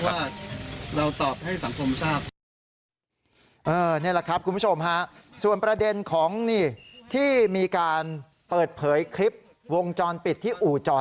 อันนี้เป็นเรื่องของสำรวจ